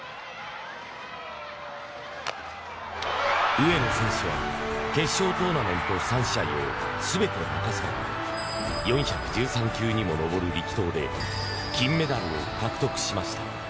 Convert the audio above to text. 上野選手は決勝トーナメント３試合を全て任され４１３球にも上る力投で金メダルを獲得しました。